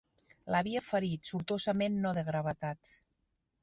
L'havia ferit, sortosament no de gravetat.